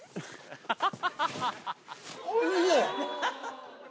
ハハハハ！